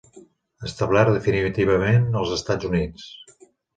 Establert definitivament als Estats Units.